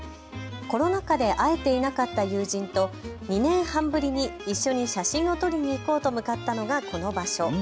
コロナ禍で会えてていなかった友人と２年半ぶりに一緒に写真を撮りに行こうと向かったのがこの場所。